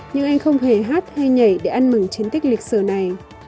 nhưng anh không hề hát hay nhảy để ăn mừng chiến tích lịch sử này